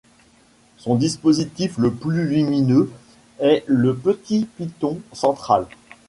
Son dispositif le plus lumineux est le petit piton central.